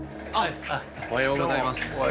どうもおはようございます。